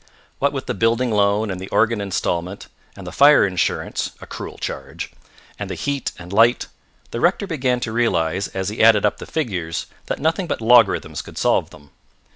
What with the building loan and the organ instalment, and the fire insurance, a cruel charge, and the heat and light, the rector began to realize as he added up the figures that nothing but logarithms could solve them.